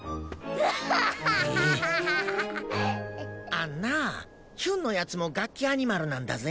あんなあヒュンのやつもガッキアニマルなんだぜ？